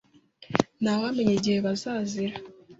Ntawamenya igihe bazazira.